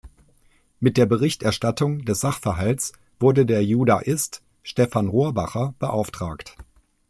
Mit der Berichterstattung des Sachverhalts wurde der Judaist Stefan Rohrbacher beauftragt.